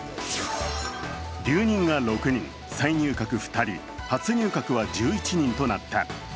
留任が６人、再入閣２人初入閣は１１人となった。